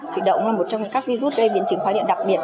thủy đậu là một trong các virus gây biến chứng khóa điện đặc biệt